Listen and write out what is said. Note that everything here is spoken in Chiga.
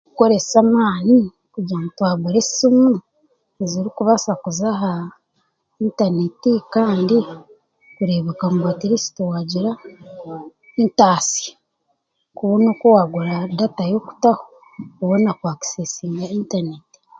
Kukoresa amaani kugira ngu twagura esimu ezirikubaasa kuza aha intaneeti kandi kureebuka ngu atirisiti waafuna entansya kubona oku waagura data y'okutaho kubona ku akiseesinga intaneeti